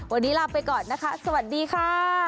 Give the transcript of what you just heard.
วันนี้ลาไปก่อนนะคะสวัสดีค่ะ